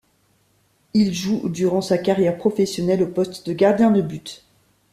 Il joue durant sa carrière professionnelle au poste de gardien de but.